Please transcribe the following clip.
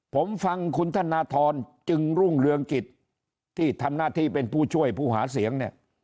ผมฟังคุณธนทรจึงรุ่งเรืองกิจที่ทำหน้าที่เป็นผู้ช่วยผู้หาเสียงเนี่ย